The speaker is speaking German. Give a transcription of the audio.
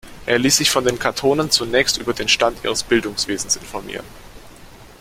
Er liess sich von den Kantonen zunächst über den Stand ihres Bildungswesens informieren.